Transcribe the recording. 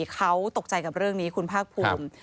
เขาตกใจกับเรื่องนี้คุณภาคภูมิ